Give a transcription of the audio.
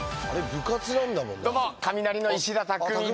どうもカミナリの石田たくみです。